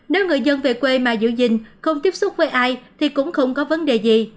nếu người dân về quê mà giữ gìn không tiếp xúc với ai thì cũng không có vấn đề gì